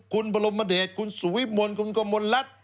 คุณบรมเดชคุณสุวิมลคุณกมลรัฐ